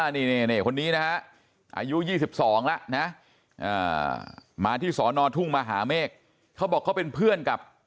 นี่คนนี้นะฮะอายุ๒๒แล้วนะมาที่สอนอทุ่งมหาเมฆเขาบอกเขาเป็นเพื่อนกับ